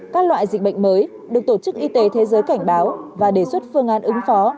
các loại dịch bệnh mới được tổ chức y tế thế giới cảnh báo và đề xuất phương án ứng phó